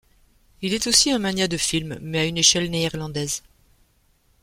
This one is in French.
Il est aussi un magnat de film, mais à une échelle néerlandaise.